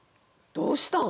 どうしたん？